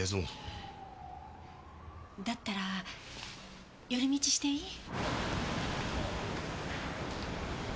だったら寄り道していい？